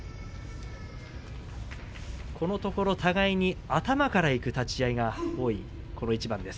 このところ互いに頭からいく立ち合いが多いこの一番です。